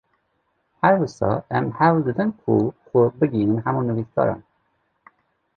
Her wisa em hewl didin ku xwe bigihînin hemû nivîskaran